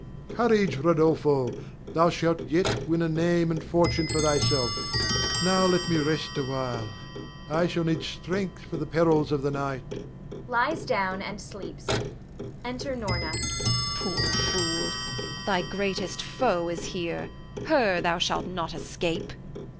Courage, Rodolpho, thou shalt yet win a name and fortune for thyself. Now let me rest awhile; I shall need strength for the perils of the night [lies down and sleeps]. [Enter Norna. Norna. Poor fool! thy greatest foe is here, her thou shalt not escape.